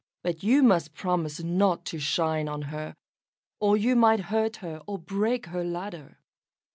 But you must promise not to shine on her, or you might hurt her, or break her ladder."